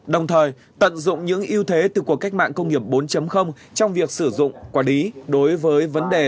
đồng thời tận dụng những ưu thế từ cuộc cách mạng công nghiệp bốn trong việc sử dụng quản lý đối với vấn đề